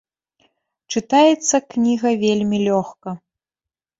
Чытаецца кніга вельмі лёгка.